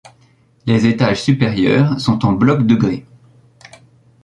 Les étages supérieurs sont en bloc de grès.